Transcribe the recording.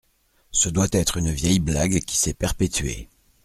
Ce doit être une vieille blague qui s'est perpétuée.